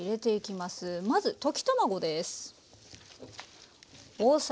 まず溶き卵です。